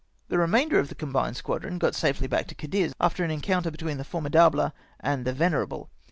The I'emainder of the combined squadron got safely back to Cadiz after an encounter between the Formid able and Venerable.